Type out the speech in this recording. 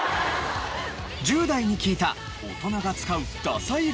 １０代に聞いた大人が使うダサい